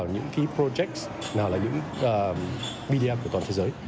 những key project nào là những bdm của toàn thế giới